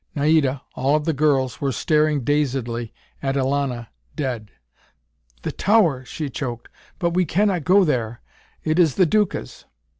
Naida, all of the girls, were staring dazedly at Elana, dead. "The tower!" she choked. "But we cannot go there. It is the Duca's!"